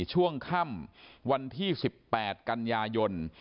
ช่วงค่ำวันที่๑๘กันยายน